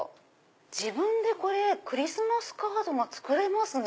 自分でクリスマスカードが作れますね。